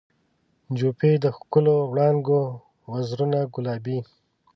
جوپې د ښکلو وړانګو وزرونه ګلابي